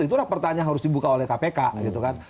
itulah pertanyaan yang harus dibuka oleh kpk gitu kan